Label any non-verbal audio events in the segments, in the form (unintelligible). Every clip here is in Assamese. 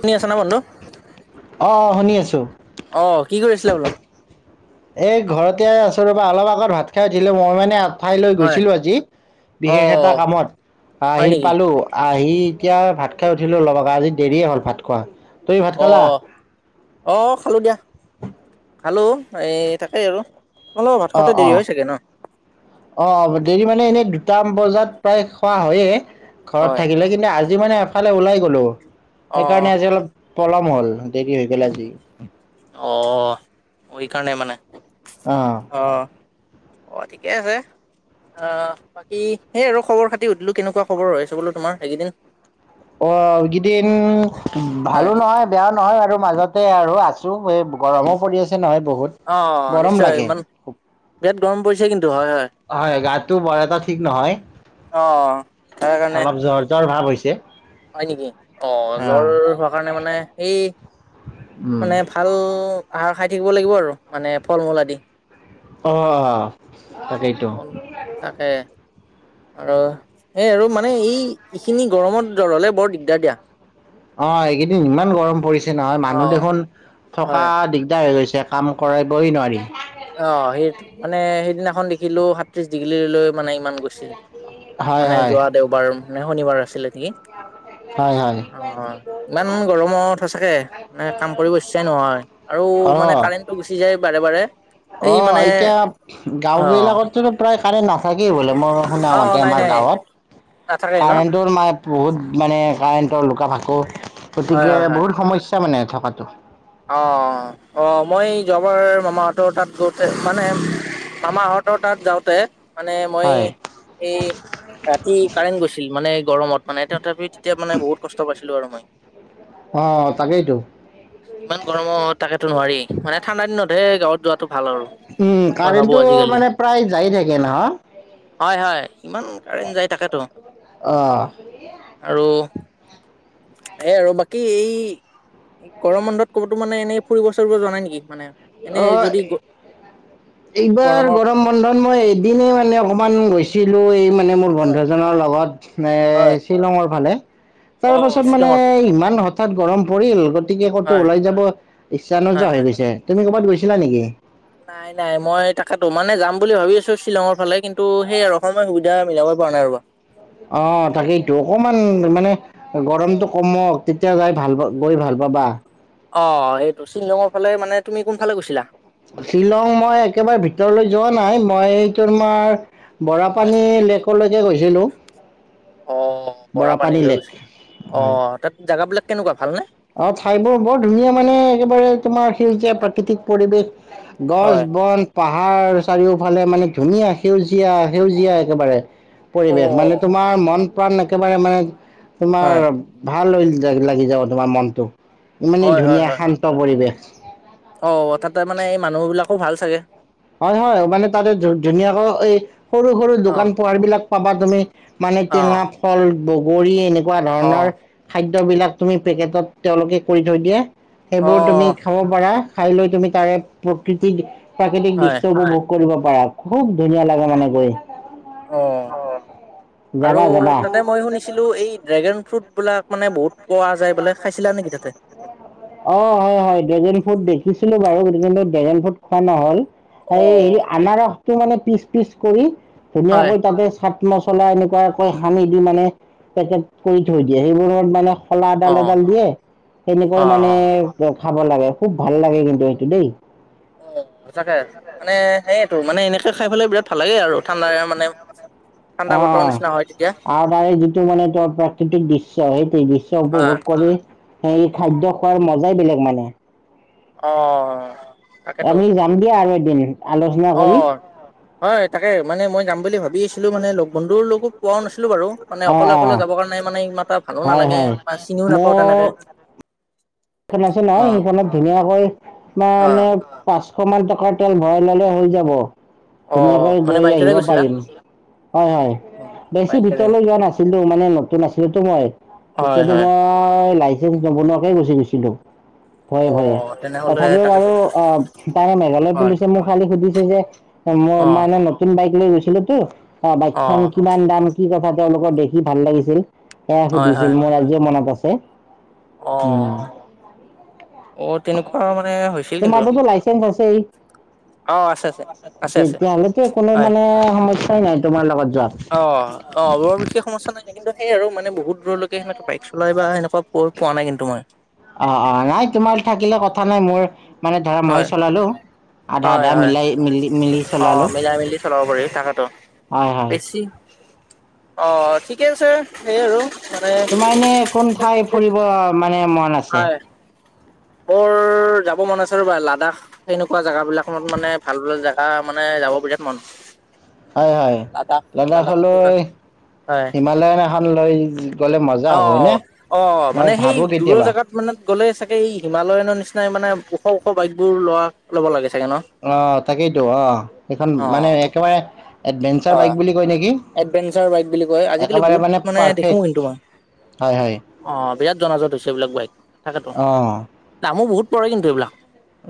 শুনি আছা না বন্ধু? অ', অ', শুনি আছোঁ। অ', কি কৰি আছিলা বোলো? এই ঘৰতে আছোঁ ৰবা অলপ আগত ভাত খাই উঠিলো মই মানে আ। ঠাইলৈ হয়, গৈছিলোঁ আজি, বিশেষ এটা অ' কামত হয় আহি নেকি? পালোঁ। আহি এতিয়া ভাত খাই উঠিলোঁ আজি দেৰিয়ে হ'ল ভাত খোৱা। তুমি ভাত খালা অ', অ', খালোঁ দিয়া। খালোঁ এই তাকেই আৰু। অলপ ভাত অ খাওঁতে অ দেৰি হৈ চাগে ন'? অ', দেৰি মানে এনেই দুটামান বজাত প্ৰায় খোৱা হয়ে। ঘৰত হয়, থাকিলে কিন্তু আজি মানে এফালে ওলাই গ'লো। অ' সেইকাৰণে আজি অলপ। পলম হ'ল দেৰি হৈ গ'লে আজি। অঁ এই কাৰণে মানে। অ'। অ' অ' ঠিকে আছে। অ' বাকী সেই আৰু খবৰ খাতি সুধিলো কেনেকুৱা খবৰ হৈ আছে বোলো তোৰ সেইকেইদিন? অ' কেইদিন হয়, ভালো নহয়। বেয়া নহয় বাৰু মাজতে আৰু আছোঁ, এই গৰমো পৰি আছে নহয় বহুত। অ' গৰম নিশ্চয় লাগে ইমান। বিৰাট গৰম পৰিছে কিন্তু হয় হয় গাটো বৰা এটা ঠিক নহয়। অ'। তাৰ কাৰণে অলপ জ্বৰ জ্বৰ ভাৱ হৈছে। হয় নেকি? অ' আহ জ্বৰ হোৱা কাৰণে মানে সেই উম মানে। ভাল আহাৰ খাই থাকিব লাগিব আৰু মানে ফল মূল আদি।। অ' তাকেই। ক'ল তাকে, আৰু সেই আৰু মানে এই এইখিনি গৰমত জ্বৰ হ'লে বৰ দিগদাৰ দিয়া। অ' এইকেইদিন ইমান গৰম পৰিছে নহয়, অ মানুহ দেখোন থকা হয় দিগদাৰ হৈ গৈছে। কাম কৰাবৈ নোৱাৰি। অ' সেইটো মানে সেইদিনাখন দেখিলো সাত্ৰিশ ডিগ্ৰীলৈ মানে ইমান গৈছিল। হয় মানে হয় যোৱা দেওবাৰ। মানে শনিবাৰ আছিলে নেকি? হয় হয়। অ' ইমান গৰমত সঁচাকে মানে কাম কৰিব ইচ্ছাই নহয়। আৰু অ মানে কাৰেণ্ট গুচি যায় বাৰে বাৰে। এই মানে অ' এতিয়া অ গাঁও বিলাকটো প্ৰায় কাৰেণ্ট না থাকেই বোলে, মই শুনা অ মতে নাই আমাৰ নাই গাঁৱত। নাথাকে ন কাৰেণ্টৰ ম বহুত মানে কাৰেণ্টৰ লুকা-ভাকু হয় গতিকে হয় হয় বহুত সমস্য স্যা মানে থকাটো। অ' অ' মই অ' যোৱাবাৰ মামাহঁতৰ তাত যাওঁতে মানে মামাহঁতৰ তাত যাওঁতে। মানে মই হয় এই ৰাতি কাৰেণ্ট গৈছিল, মানে গৰমত মানে তথাপি তেতিয়া মানে বহুত কষ্ট পাইছিলো আৰু মই। অ' তাকেইতো। ইমান গৰমত তাকেতো নোৱাৰি। মানে ঠাণ্ডা দিনতহে গাঁৱত যোৱাত টো ভাল আৰু। উম, মই ভাবো কাৰেণ্টটো আজিকালি। মানে প্ৰায় যায়ে থাকে নহয়? হয় হয়, ইমান কাৰেণ্ট যায় তাকেতো। অ আৰু এই ৰ'বা! বাকী গৰম বন্ধত ক'তো মানে এনে ফৰিব ফুৰি যোৱা নেকি মানে। এনেই যদি অ' এইবাৰ গৰমৰ গৰম বন্ধত মই এদিনে মানে অকমান গৈছো। ছিলো এই মানে মোৰ হয়, বন্ধুজনৰ লগত হয় শ্বিলঙৰ ফালে। অ', তাৰপাছত মানে শ্বিলঙৰ ইমান নহ তাত গৰম পৰিল গতিকে ক'তো হয়, ওলাই যাব ইচ্ছা হয়, নোযোৱা হয়। হৈ গৈছে, তুমি ক'ৰবাত গৈছিলা নেকি? নাই নাই, মই তাকেতো মানে যাম বুলি ভাবি আছো শ্বিলঙৰ ফালে, কিন্তু সেই আৰু সময় সুবিধা মিলাব পৰা নাই ৰবা। অ' তাকেইতো, অকমান মানে গৰমটো কমক। তেতিয়া যায়, ভাল পা গৈ ভাল পাবা। অ' এইটো শ্বিলংৰ ফালে মানে তুমি কোনফালে গৈছিলা? শ্বিলং মই একেবাৰে ভিতৰলৈ যোৱা নাই। মই তোমাৰ বৰাপানী লেক লৈকে গৈছিলো। অ' বৰাপানী লৈ গৈছিলো, হয় অ' তাত জেগাবিলাক কেনেকুৱা ভালনে? অ' ঠাইবোৰ বৰ ধুনীয়া, মানে একেবাৰে তোমাৰ সেউজীয়া প্ৰাকৃতিক পৰিৱেশ। হয় গছ-বন, পাহাৰ চাৰিওফালে মানে ধুনীয়া সেউজীয়া সেউজীয়া একেবাৰে। অ পৰিৱেশ মানে তোমাৰ মন প্ৰাণ একেবাৰে মানে হয় তোমাৰ ভাল হৈ লাগি যাব তোমাৰ মনটো, ইমানেই হয় হয় ধুনীয়া হয় শান্ত পৰিৱেশ। অ' তাতে মানে এই মানুহবিলাকো ভাল চাগে। হয় হয়, মানে তাতে ধু-ধুনীয়াকৈ এই সৰু সৰু অ দোকান পোহাৰ বিলাক পাবা তুমি। মানে অ টেঙা, ফল, বগৰী এনেকুৱা অ ধৰণৰ। খাদ্যবিলাক তুমি পেকেটত তেওঁলোকে কৰি থৈ দিয়ে, অ সেইবোৰ তুমি খাব পাৰা। খাই লৈ তুমি তাৰে প্ৰকৃতিক প্ৰাকৃতিক দিশ হয় দৃশ্যবোৰ ভোগ কৰিব পাৰা, খুব ধুনীয়া লাগে মানে গৈ। অ'! (inaudible) আৰু তাতে মই শুনিছিলোঁ এই ড্ৰেগন ফ্ৰুদ বিলাক মানে বহুত পোৱা যায় বোলে খাইছিলা নেকি তাতে? অ' হয় হয় ড্ৰেগেন ফ্ৰুদ দেখিছিলো বাৰু কিন্তু ড্ৰেগেন ফ্ৰুদ খোৱা নহ'ল। অ এই হেৰি আনাৰসটো মানে পিচ পিচ কৰি হয় ধুনীয়াকৈ তাতে চাট মছলা এনেকুৱাকৈ সানি দি মানে পেকেট কৰি থৈ দিয়ে সেইবোৰত মানে সলা এডাল অ এডাল দিয়ে তেনেকৈ মানে অ', খাব লাগে, খুব ভাল লাগে কিন্তু সেইটো দেই। সঁচাকে মানে সেইয়েতো মানে এনেকে খাই পেলাই বিৰাট ভাল লাগে আৰু ঠাণ্ডা মানে ঠাণ্ডা অ', বতৰৰ নিচিনা হয় তেতিয়া অ' আৰু তাৰে যিটো মানে ত প্ৰাকৃতিক দৃশ্য সেইটো দৃশ্য হয় উপভোগ কৰি সেই খাদ্য খোৱাৰ মজাই বেলেগ মানে। অ'। তাকেতো আমি যাম দিয়া আৰু এদিন। আলোচনা কৰি অ'। হয় তাকে মানে মই যাম বুলি ভাবি আছিলোঁ মানে লগ বন্ধুৰ লগো পোৱাও নাছিলো বাৰু। মানে অ অকলে অ অকলে যাবৰ কাৰণে মানে ইমানটা ভালো হয় নালাগে হয় বা চিনিও নাপাওঁ তেনেকে। (inaudible) সেই আছে নহয় অ', সেইখনত ধুনীয়াকৈ অ', মানে (unintelligible) পাঁচশ মান টকাৰ তেল ভৰাই ললে হৈ যাব অ', ধুনীয়াকৈ মানে গৈ বাইকেৰে আহিব গৈছিলা পাৰিম। হয় হয়। বেছি বাইকেৰে ভিতৰলৈ যোৱা নাছিলো মানে নতুন আছিলোতো মই হয় তেতিয়াতো হয় মই মই লাইচেন্ঞ্চ নবনোৱাকে গুচি গৈছিলো। ভয়ে ভয়ে অ', তেনেহলে তথাপিও তাকেতো বাৰু আহ, তাৰে মেঘালয় হয় পুলিচে মোক খালি সুধিছে যে মই অ', মানে নতুন বাইক লৈ গৈছিলো তো। অ' বাইকখন কিমান দাম কি কথা তেওঁলোকৰ দেখি ভাল লাগিছিল সেয়া হয় হয় সুধিছিল মোৰ আজিও মনত আছে। উম। অ', অ', তেনেকুৱা মানে হৈছিল কিন্তু তোমাৰটো লাইচেঞ্চ আছেই? অ' আছে আছে। আছে আছে তেতিয়াহ'লেতো কোনো হয় মানে সমস্যাই নাই তোমাৰ লগত যোৱাত। অ', অ' বৰ বিশেষ সমস্যা নাই কিন্তু সেই আৰু মানে বহুত দূৰৰলৈকে সেনেকে বাইক চলাই বা সেনেকোৱা পোৱা নাই কিন্তু মই। অ', অ' নাই তোমাৰ থাকিলে কথা নাই মোৰ মানে ধৰা হয় মই চলালো আধা হয় আধা হয়। মিলাই মিলি মিলি অ' চলালো মিলাই মেলি চলাব পাৰি তাকেটো। হয় হয়। বেছি। অ' ঠিকে আছে সেই আৰু মানে তোমাৰ এনে কোন ঠাই ফুৰিব মানে মন আছে? হয়। বৰ যাব মন আছে ৰবা লাডাখ সেনেকুৱা জাগা বিলাকত মানে ভাল ভাল জাগা তা মানে যাব বিৰাট মান। হয় হয়। লাডাখটো লাডাখলৈ হয় হিমালয়ন এখন লৈ গ'লে মজা হ'ব হয়নে? অ', অ' মই মানে সেই ভাবো দূৰৰ কেতিয়াবা জেগাত মানে গ'লে চাগে এই হিমালয়ানৰ নিচিনাই মানে ওখ ওখ বাইক বোৰ লোৱা, ল'ব লাগে চাগে ন? অ' তাকেইতো অ' সেইখন মানে অ', একেবাৰে এডভেঞ্চাৰ বাইক হয় বুলি কয় নেকি এডভেঞ্চাৰ বাইক বুলি কয়। আজিকালি একেবাৰে বহুত মানে দেখো পাৰফেক্ট কিন্তু মই। হয় হয়। অ' বিৰাট জনাজাত হৈছে এইবিলাক বাইক তাকেতো। অ' নামো বহুত পৰে কিন্তু এইবিলাক।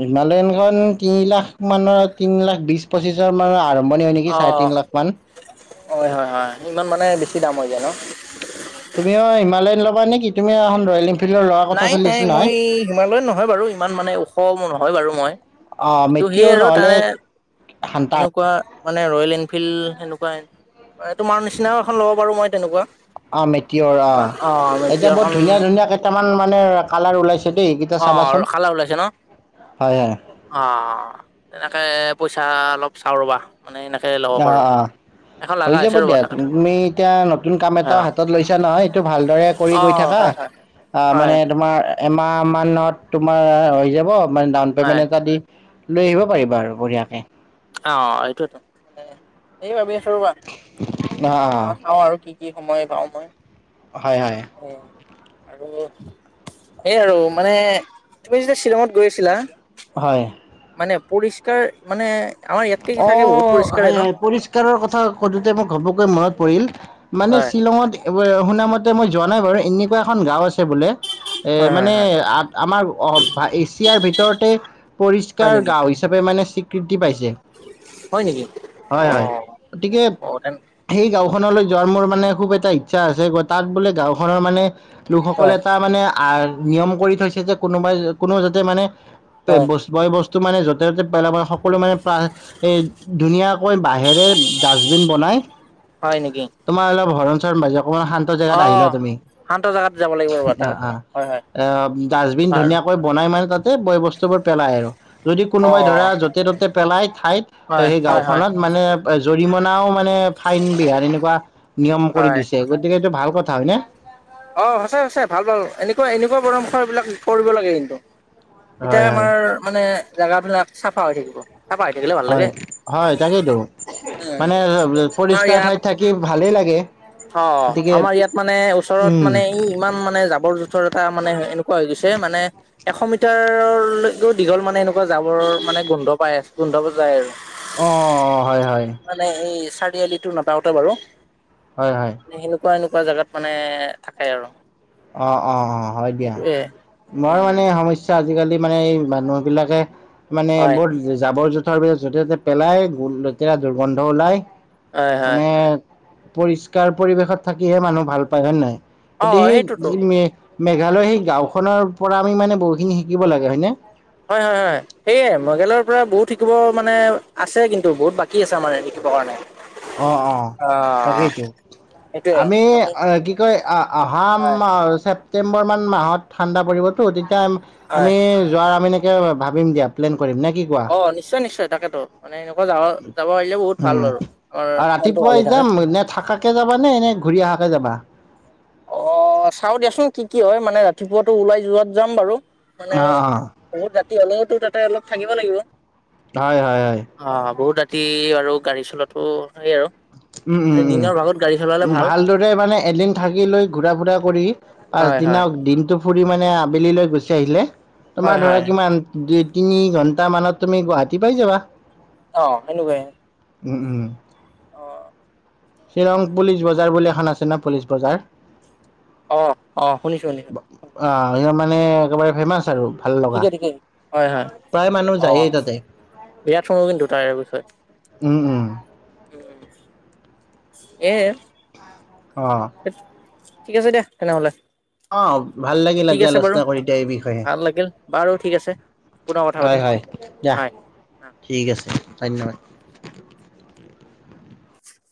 হিমালয়নখন তিনি লাখ মানৰ তিন লাখ বিশ পচিশৰ মানৰ আ মানী হয় নেকি চাৰে অ', তিন লাখ মান। হয়, হয়, হয় ইমান মানে বেছি দাম হৈ যায় নহ? তুমিও হিমালয়ান ল'বা নেকি? তুমিও এখন ৰয়েল এনফিল্ডৰ লোৱাৰ কথা নাই, চলি নাই আছিল নহয়। মই হিমালয়ন নহয় বাৰু ইমান মানে ওখ নহয় বাৰু মই। অ' কিন্তু সেই মেটিয়ৰ আৰু নহ'লে তাৰে হান্তাৰ এনেকুৱা মানে ৰয়েল এনফিল্ড সেনেকুৱাই তোমাৰ নিচিনাও এখন ল'ব পাৰোঁ মই তেনেকুৱা, অ' মেটিয়ৰ অ'। এতিয়া (unintelligible) বহুত এখন। ধুনীয়া ধুনীয়া কেইটামান মানে কালাৰ ওলাইছে দেই। অ চাবাচোন ৰখালা ওলাইছে নহ? হয় হয় অ, তেনেকে পইচা অলপ চাওঁ ৰ'বা। মানে এনেকে ল'ব অ, পাৰো অ। এখন হৈ লগা যাব হৈছে ৰ'বা দিয়া তাকেতো তুমি এতিয়া নতুন কাম অ এটাও হাতত লৈছা নহয় এইটো ভালদৰে কৰি গৈ অ', থাকা। হয় হয় অ হয় মানে তোমাৰ এমাহ মানত তোমাৰ হৈ যাব মানে ডাউন হয় পেমেন্ট এটা দি। লৈ আহিব পাৰিবা আৰু বঢ়িয়াকে। অ এইটোৱেতো মানে এই ভাবি আছোঁ ৰ'বা অ চাওঁ আৰু কি কি সময় পাওঁ মই। হয়, হয়। উম আৰু এই আৰু মানে তুমি যেতিয়া শ্বিলঙত গৈছিলা? হয়। মানে পৰিষ্কাৰ মানে, আমাৰ ইয়াত অ হয়, হয় পুলিচ। (unintelligible) কথা সোধোতে মোক ঘপককৈ হ'বকৈ মনত পৰিল, মানে হয় শ্বিলঙত (unintelligible) শুনা মতে মই যোৱা নাই বাৰু এনেকুৱা এখন গাওঁ আছে বোলে। এ হয় হয় মানে হয় আ-আমাৰ এ-এছিয়াৰ ভিতৰতে হয় পৰিষ্কাৰ নেকি গাওঁ হৈছ হিচাপে মানে স্বীকৃতি পাইছে। হয় নেকি? হয়, অ হয় গতিকে। (unintelligible) সেই গাঁওখনলৈ যোৱাৰ মোৰ মানে খুব এটা ইচ্ছা আছে তাত বোলে গাওঁখনৰ মানে। লোকসকলে হয় এটা মানে আহ নিয়ম কৰি থৈছে যে, কোনোবাই কোনো যাতে মানে হয় বস বয় বস্তু মানে য'তে ত'তে পেলাব (unintelligible) সকলো বাহ এ ধুনীয়াকৈ বাঁহেৰে ডাষ্টবিন বনাই। হয় নেকি? তোমাৰ অলপ হৰণ চৰণ বাজে, অকণমান শান্ত জেগাত আহি লোৱা তুমি। তাত যাব লাগিব ৰ'বা। আহ আহ (unintelligible) ডাষ্টবিন আৰু ধুনীয়াকৈ বনাই মানে তাতে বয় বস্তুবোৰ পেলায় আৰু। যদি অ কোনোবাই ধৰা য'তে ত'তে পেলাই ঠাইত হয় সেই হয় হয় গাঁওখনত মানে। জৰিমনাও মানে ফাইন বিহাৰ এনেকুৱা নিয়ম কৰি হয় দিছে গতিকে এইটো ভাল কথা হয় নে? অ' সঁচাইসঁচাই ভাল, ভাল এনেকুৱা, এনেকুৱা (unintelligible) বিলাক কৰিব লাগে কিন্তু। এতিয়া হয় হয় আমাৰ মানে জাগাবিলাক চাফা হৈ থাকিব। চাফা হৈ থাকিলে ভাল লাগে হয়, হয় তাকেইতো উম মানে আমাৰ পৰিষ্কাৰ ইয়াত ঠাইত থাক ভালেই লাগে। অ গতিকে আমাৰ ইয়াত মানে ওচৰত উম মানে ই ইমান মানে জাৱৰ জোথৰ এটা মানে এনেকুৱা হৈ গৈছে মানে। এশ মিটাৰলৈকেও দীঘল মানে এনেকুৱা জাবৰ মানে গোন্ধ পাই আছে, গোন্ধ বোৰ যায় আৰু। অ' অ' হয়, হয়। মানে এই চাৰিআলিটো নাপাওঁতে বাৰু। হয় হয়। এনেকুৱা এনেকুৱা জাগাত মানে থাকে আৰু। অ' অ' হয় দিয়া, সেইটোয়ে মই মানে উম সমস্যা আজিকালি মানে এই মানুহ বিলাকে, মানে হয় বৰ জাবৰ জো তাৰ পিছত য'তে ত'তে পেলাই, লেতেৰা দুৰ্গন্ধ ওলায়, হয় হয় মানে হয় পৰিষ্কাৰ পৰিৱেশত থাকিহে মানুহ ভাল পায় হয় নাই, অ গোটেই সেইটোতো মেঘালয় সেই গাওঁখনৰ পৰা আমি মানে বহুতখিনি শিকিব লাগে, হয় নে? হয় হয় হয়। সেয়ে মহিলাৰ পৰা বহুত শিকিব মানে আছে, কিন্তু বহুত বাকী আছে আমাৰ শিকিব কাৰণে। অ' অ' তাকেইতো। আমি অ কি কয়, আ আ অহা হয় ছে ছেপ্টেম্বৰমান মাহত ঠাণ্ডা পৰিবতো, তেতিয়া হয় আমি যোৱাৰ আমি ভাবিম দিয়া, প্লেন কৰিম নে কি? কোৱা অ নিশ্চয় নিশ্চয় তাকেতো, মানে এনেকুৱা যাব যাব পাৰিলে বহুত ভাল বাৰু। আমাৰ আ মনটো ভাল হৈ ৰাতিপুৱাই থাকে যাম, নে থকাকে যাবা নে, এনে ঘূৰি অহাকে যাবা? অ চাওঁ দিয়াচোন কি কি হয়, মানে ৰাতিপুৱাতো ওলাই যোৱাত যাম বাৰু মানে অ', অ', বহুত ৰাতি হলে, তোৰ তাতে অলপ থাকিব লাগিব। হয় হয় হয়। অ বহুত ৰাতি আৰু গাড়ী চলোৱাটো সেই আৰু। মানে উম'উম' দিনৰ ভাগত গাড়ী চলালে উম' ভাল। ভালদৰে মানে এদিন থাকি লৈ ঘুৰা ফুৰা কৰি, হয়, হয়, পাছদিনা দিনটো। ফুৰি মানে আবেলিলৈ গুচি আহিলে, হয়, তোমাৰ ধৰা হয়। কিমান দুই তিনি ঘণ্টা মানত তুমি গুৱাহাটী পাই যাবা। অ সেনেকুৱাই। উম' উম'। অ। শ্বিলং পুলিচ বজাৰ বুলি এখন আছে ন, পুলিচ বজাৰ। অ' অ' শুনিছো, শুনিছো। শুনিছো অ এয়া মানে একেবাৰে ফেমাচ আৰু। ভাল লগা ঠিকে, ঠিকে, হয়, হয় প্ৰায় মানুহ যায়েই অ' তাতে। বিৰাট খবৰ কিন্তু তাইৰ বিষয়ে। উম' উম' এৰ। অ। ঠিক আছে দিয়া, তেনেহ'লে। অ' ভাল লাগিল ঠিক আজি আছে বাৰু আলোচনা কৰি, এতিয়া এই বিষয়ে। ভাল লাগিল বাৰু ঠিক আছে পুনৰ কথা হয়, পাতিম হয়, দিয়া হয়। ঠিক আছে, ধন্যবাদ। (unintelligible)